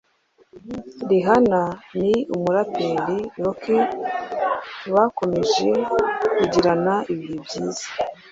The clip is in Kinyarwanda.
Rihanna n’umuraperi Rocky bakomeje kugirana ibihe byiza